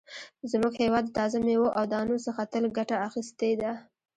زموږ هېواد د تازه مېوو او دانو څخه تل ګټه اخیستې ده.